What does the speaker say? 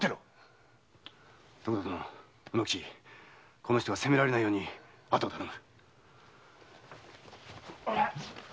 この人が責められないように後を頼む。